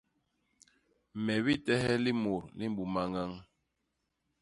Me bitehe limut li mbuma ñañ.